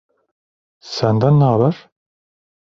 Senden ne haber?